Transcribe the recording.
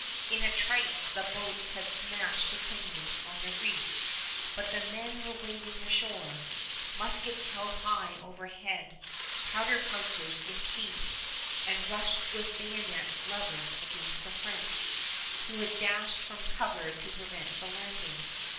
In a trice the boats had smashed to kindling on the reefs, but the men were wading ashore, muskets held high over head, powder pouches in teeth, and rushed with bayonets leveled against the French, who had dashed from cover to prevent the landing.